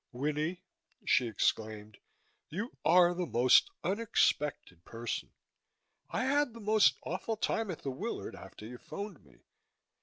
"Winnie," she exclaimed. "You are the most unexpected person. I had the most awful time at the Willard after you phoned me.